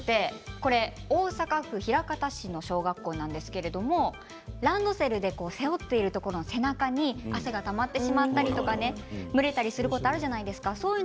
これ大阪府枚方市の小学校なんですけれどランドセルで背負っているところの背中に汗がたまってしまったりとか蒸れたりすることがあるじゃないですか。